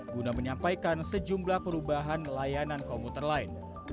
guna menyampaikan sejumlah perubahan layanan komuter lain